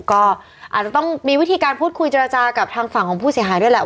ก็อาจจะต้องมีวิธีการพูดคุยเจรจากับทางฝั่งของผู้เสียหายด้วยแหละ